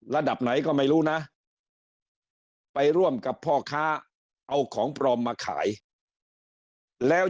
ระดับไหนก็ไม่รู้นะไปร่วมกับพ่อค้าเอาของปลอมมาขายแล้ว